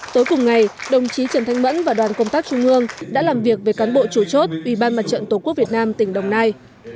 tối cùng ngày đồng chí trần thanh mẫn và đoàn công tác trung hương đã làm việc về cán bộ chủ chốt ubnd tqvn tỉnh đồng nai